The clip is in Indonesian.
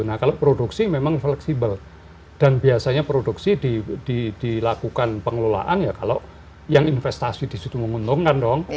nah kalau produksi memang fleksibel dan biasanya produksi dilakukan pengelolaan ya kalau yang investasi di situ menguntungkan dong